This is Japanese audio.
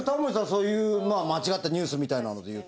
そういう間違ったニュースみたいなのでいうと。